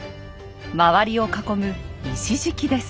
周りを囲む石敷きです。